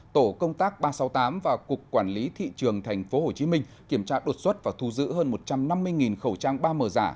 tổ công tác ba trăm sáu mươi tám và cục quản lý thị trường tp hcm kiểm tra đột xuất và thu giữ hơn một trăm năm mươi khẩu trang ba m giả